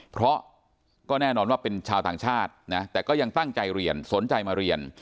เพราะก็แน่นอนว่าเป็นชาวต่างชาตินะแต่ก็ยังตั้งใจเรียนสนใจมาเรียน